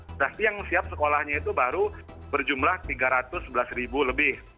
berarti yang siap sekolahnya itu baru berjumlah tiga ratus sebelas ribu lebih